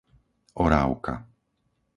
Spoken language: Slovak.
Orávka